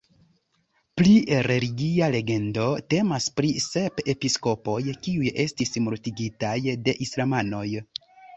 Pli religia legendo temas pri sep episkopoj kiuj estis mortigitaj de islamanoj.